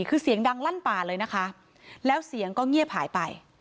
คือเสียงดังลั่นป่าเลยนะคะแล้วเสียงก็เงียบหายไป